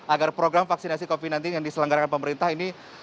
agar program vaksinasi covid sembilan belas yang diselenggarakan pemerintah ini